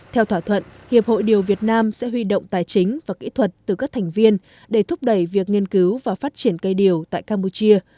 theo thỏa thuận hiệp hội điều việt nam sẽ huy động tài chính và kỹ thuật từ các thành viên để thúc đẩy việc nghiên cứu và phát triển cây điều tại campuchia